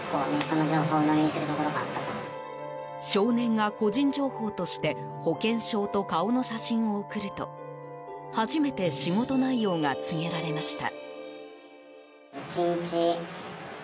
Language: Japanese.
少年が個人情報として保険証と顔の写真を送ると初めて仕事内容が告げられました。